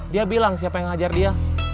dia bilang siapa yang ngajar dia